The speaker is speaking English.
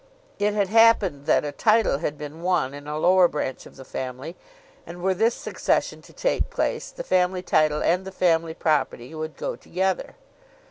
It had happened that a title had been won in a lower branch of the family, and were this succession to take place the family title and the family property would go together.